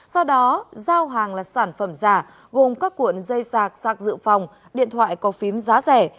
sau đó giao hàng là sản phẩm giả gồm các cuộn dây sạc sạc dự phòng điện thoại có phím giá rẻ